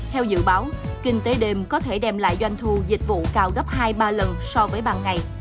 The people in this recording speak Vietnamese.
theo dự báo kinh tế đêm có thể đem lại doanh thu dịch vụ cao gấp hai ba lần so với ban ngày